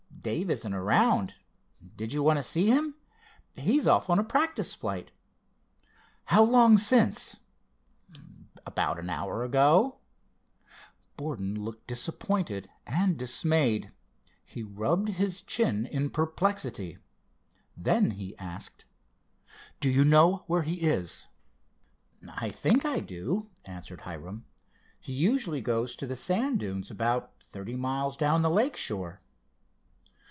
"Dave isn't around. Did you want to see him? He's off on a practice flight." "How long since?" "About an hour ago." Borden looked disappointed and dismayed. He rubbed his chin in perplexity. Then he asked: "Do you know where he is?" "I think I do," answered Hiram. "He usually goes to the sand dunes about thirty miles down the lake shore."